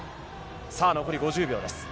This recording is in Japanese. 残り５０秒です。